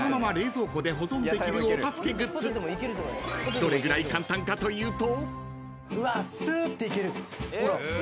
［どれぐらい簡単かというと］